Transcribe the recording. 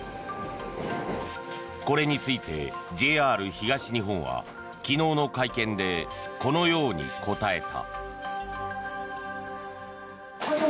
これについてＪＲ東日本は昨日の会見でこのように答えた。